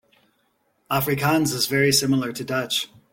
Afrikaans is very similar to Dutch.